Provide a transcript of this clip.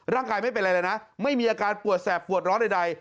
ร่างกายไม่เป็นอะไรเลยนะไม่มีอาการปวดแสบปวดร้อนใด